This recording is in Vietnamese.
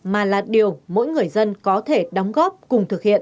mà là điều mỗi người dân có thể đóng góp cùng thực hiện